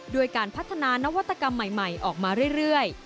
ด้วยการพัฒนานวัตกรรมใหม่ออกมาเรื่อย